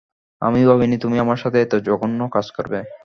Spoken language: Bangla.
আমি ভাবিনি তুমি আমার সাথে এত জঘন্য কাজ করবে।